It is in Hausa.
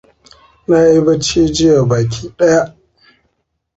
Na yi bacci jiya baki ɗaya.